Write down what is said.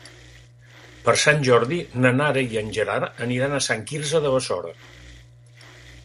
Per Sant Jordi na Nara i en Gerard aniran a Sant Quirze de Besora.